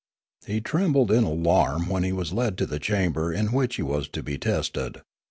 He trembled in alarm when he was led to the chamber in which he was to be tested.